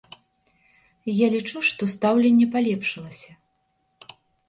Я лічу, што стаўленне палепшылася.